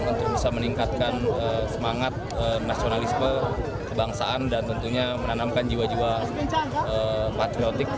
untuk bisa meningkatkan semangat nasionalisme kebangsaan dan tentunya menanamkan jiwa jiwa patriotik